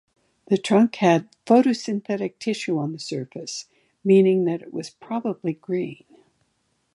The trunk had photosynthetic tissue on the surface, meaning that it was probably green.